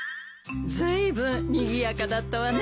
ずいぶんにぎやかだったわね。